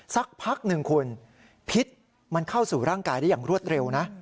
สักพักหนึ่งคุณพิษมันเข้าสู่ร่างกายได้อย่างรวดเร็วนะ